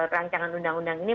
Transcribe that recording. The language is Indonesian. rancangan undang undang ini